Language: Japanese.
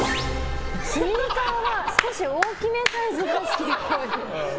スニーカーは少し大きめサイズが好きっぽい。